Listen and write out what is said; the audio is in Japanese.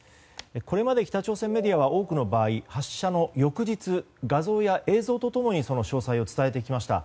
これまで北朝鮮メディアは多くの場合発射の翌日、画像や映像と共にその詳細を伝えてきました。